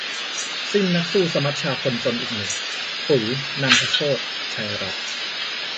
สิ้นนักสู้สมัชชาคนจนอีกหนึ่ง 'ปุ๋ย-นันทโชติ ชัยรัตน์'